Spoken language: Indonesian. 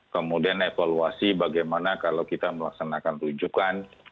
kemudian evaluasi bagaimana kalau kita melaksanakan rujukan